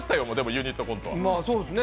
ユニットコントは。